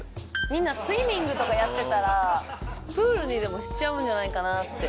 みんなスイミングとかやってたらプールにでもしちゃうんじゃないかなって。